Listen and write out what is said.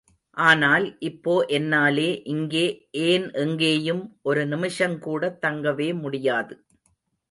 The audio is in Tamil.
ஆனால் இப்போ என்னாலே இங்கே, ஏன் எங்கேயும் ஒரு நிமிஷங்கூட தங்கவே முடியாது.